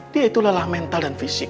dia itu lelah mental dan fisik